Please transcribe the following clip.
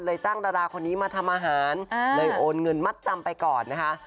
จ้างดาราคนนี้มาทำอาหารเลยโอนเงินมัดจำไปก่อนนะคะ